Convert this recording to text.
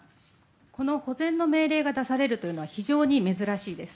この保全の命令が出されるというのは、非常に珍しいです。